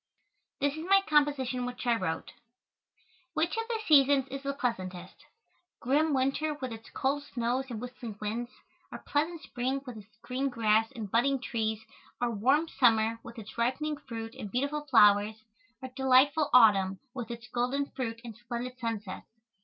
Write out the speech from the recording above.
This is my composition which I wrote: "Which of the seasons is the pleasantest? Grim winter with its cold snows and whistling winds, or pleasant spring with its green grass and budding trees, or warm summer with its ripening fruit and beautiful flowers, or delightful autumn with its golden fruit and splendid sunsets?